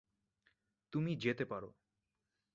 তুমি যেতে পারো।